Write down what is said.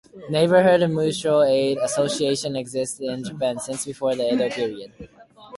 Neighborhood mutual-aid associations existed in Japan since before the Edo period.